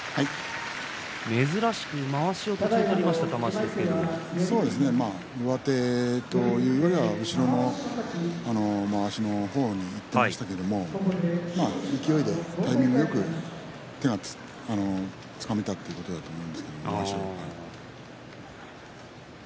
珍しく途中まわしを取りました玉鷲ですが上手というよりは後ろのまわしの方にいっていましたけれども勢いでタイミングよくつかめたということだと思います。